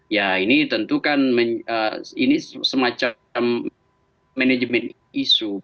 ya ini tentu kan ini semacam manajemen isu